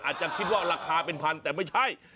อาจจะคิดว่าราคาเป็นพันแต่ไม่ใช่